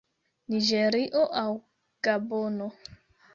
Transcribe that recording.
Niĝerio aŭ Gabono.